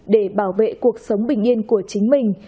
để bảo vệ cuộc sống bình yên của chính mình